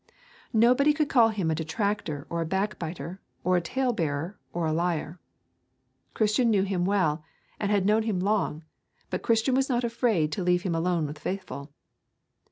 Nobody could call him a detractor or a backbiter or a talebearer or a liar. Christian knew him well, and had known him long, but Christian was not afraid to leave him alone with Faithful.